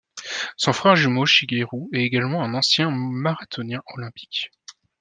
Son frère jumeau Shigeru est également un ancien marathonien olympique.